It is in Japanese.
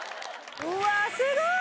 うわあすごい！